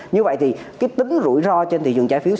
như vậy thì cái tính rủi ro trên thị trường trái phiếu